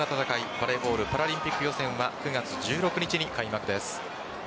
バレーボールパリオリンピック予選は９月１６日に開幕です。